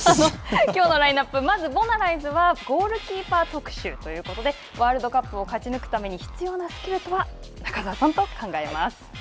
きょうのラインナップ、まずボナライズはゴールキーパー特集ということで、ワールドカップを勝ち抜くために必要なスキルとは中澤さんと考えます。